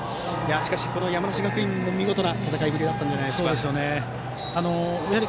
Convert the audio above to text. しかし、山梨学院も見事な戦いぶりだったんじゃないですか。